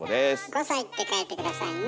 「５さい」って書いて下さいね。